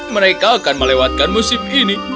mereka akan melewatkan musim ini